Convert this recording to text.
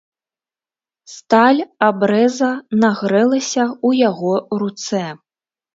Сталь абрэза нагрэлася ў яго руцэ.